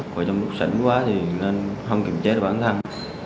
và trong lúc sỉnh quá thì nên không kiềm chế được bản thân